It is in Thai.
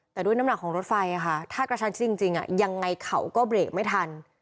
แต่ด้วยน้ำหนักของรถไฟค่ะถ้ากระชั้นชิดจริงยังไงเขาก็เบรกไม่ทัน